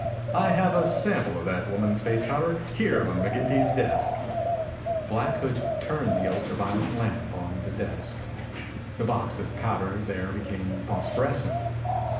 I have a sample of that woman's face powder here on McGinty's desk." Black Hood turned the ultra violet lamp on the desk. The box of powder there became phosphorescent.